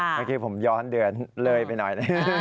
เมื่อกี้ผมย้อนเดือนเลยไปหน่อย